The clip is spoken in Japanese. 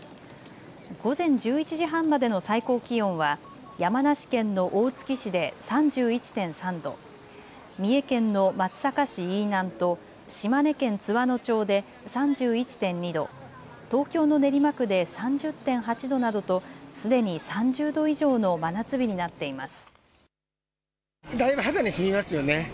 午前１１時半までの最高気温は山梨県の大月市で３１．３度、三重県の松阪市飯南と島根県津和野町で３１．２度、東京の練馬区で３０．８度などとすでに３０度以上の真夏日になっています。